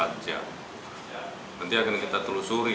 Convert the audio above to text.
nanti akan kita telusuri